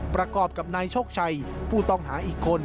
ประกอบกับนายโชคชัยผู้ต้องหาอีกคน